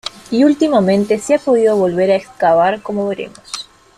Y últimamente se ha podido volver a excavar como veremos.